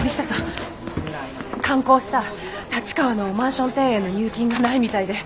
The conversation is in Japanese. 完工した立川のマンション庭園の入金がないみたいで。